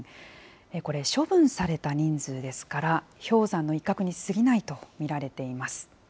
これ、処分された人数ですから、氷山の一角に過ぎないと見られています。